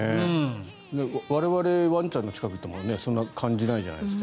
我々ワンちゃんの近くに行ってもそんなに感じないじゃないですか。